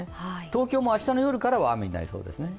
東京も明日の夜からは雨になりそうですね。